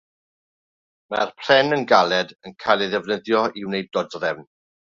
Mae'r pren yn galed, yn cael ei ddefnyddio i wneud dodrefn.